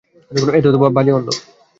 এতো বাজে গন্ধ।